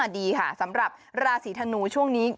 ดีค่ะสำหรับราศีธนูช่วงนี้